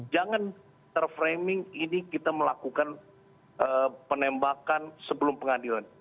jangan terframing ini kita melakukan penembakan sebelum pengadilan